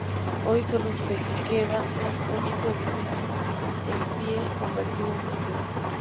Hoy sólo queda un único edificio en pie convertido en museo.